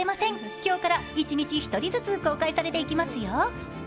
今日から１日１人ずつ公開されていきますよ。